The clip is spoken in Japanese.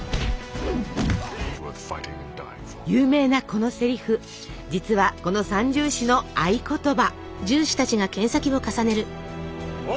有名なこのせりふ実はこの三銃士の合言葉。